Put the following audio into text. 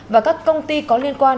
và các công ty có liên quan